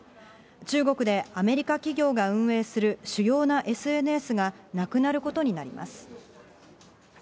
中国で、アメリカ企業が運営する主要なＳＮＳがなくなることになります。